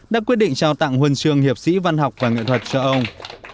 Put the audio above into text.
đã quyết định trao tặng huân trường hiệp sĩ văn học và nghệ thuật cho ông